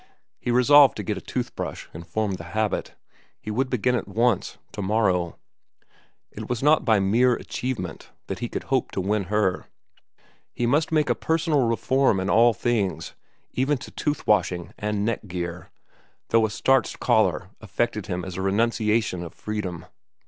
He resolved to get a tooth brush and form the habit. He would begin at once, to morrow. It was not by mere achievement that he could hope to win to her. He must make a personal reform in all things, even to tooth washing and neck gear, though a starched collar affected him as a renunciation of freedom.